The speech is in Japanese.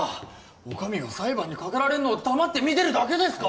お上が裁判にかけられんのを黙って見てるだけですか？